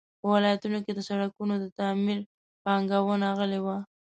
په ولایتونو کې د سړکونو د تعمیر پانګو غله وو.